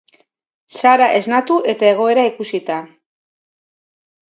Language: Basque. Sara esnatu eta egoera ikusita.